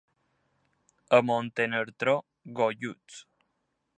A Montenartró, golluts.